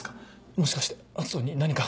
もしかして篤斗に何か。